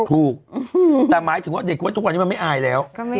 ถูกแต่หมายถึงว่าเด็กไว้ทุกวันนี้มันไม่อายแล้ว